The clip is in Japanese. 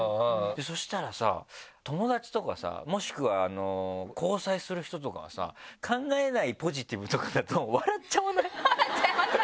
そしたらさ友達とかさもしくは交際する人とかがさ考えないポジティブとかだと笑っちゃわない？